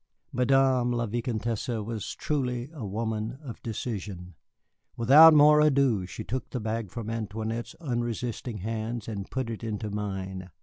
Madame la Vicomtesse was truly a woman of decision. Without more ado she took the bag from Antoinette's unresisting hands and put it into mine.